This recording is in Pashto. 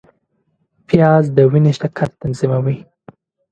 پیاز د وینې شکر تنظیموي